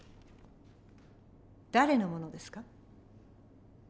誰のものですか？